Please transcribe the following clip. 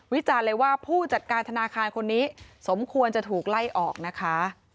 จารณ์เลยว่าผู้จัดการธนาคารคนนี้สมควรจะถูกไล่ออกนะคะ